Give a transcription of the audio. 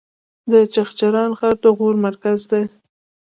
د چغچران ښار د غور مرکز دی